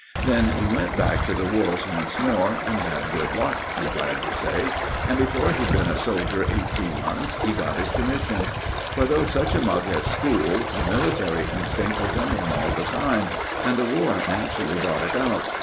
Then he went back to the wars once more, and had good luck, I'm glad to say, and before he'd been a soldier eighteen months, he got his commission. For though such a mug at school, the military instinct was in him all the time, and the War naturally brought it out.